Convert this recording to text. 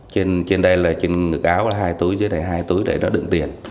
trên đây là trên ngực áo hai túi dưới này hai túi để nó đựng tiền